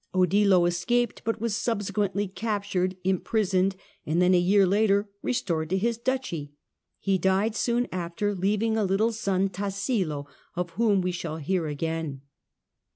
Odilo escaped, but was subsequently captured, imprisoned, and then, a year later, restored to his duchy. He died soon after, leaving a little son Tassilo, of whom we shall hear again.